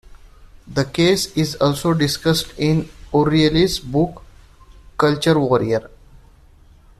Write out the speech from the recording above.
The case is also discussed in O'Reilly's book Culture Warrior.